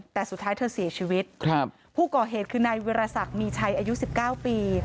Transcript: แต่สุดท้ายเธอเสียชีวิตครับผู้ก่อเหตุคือนายวิรสักมีชัยอายุ๑๙ปี